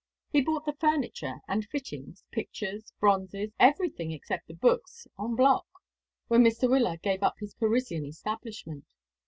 He bought the furniture and fittings, pictures, bronzes, everything except the books, en bloc, when Mr. Wyllard gave up his Parisian establishment.